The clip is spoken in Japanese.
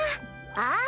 ああ！